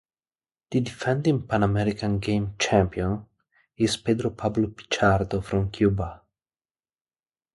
The defending Pan American Games champion is Pedro Pablo Pichardo from Cuba.